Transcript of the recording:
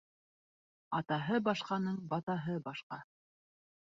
Атаһы башҡаның батаһы башҡа.